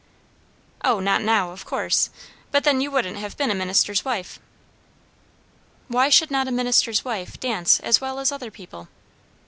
"O, not now, of course but then you wouldn't have been a minister's wife." "Why should not a minister's wife dance as well as other people?"